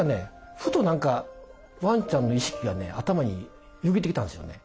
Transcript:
ふと何かワンちゃんの意識がね頭によぎってきたんですよね。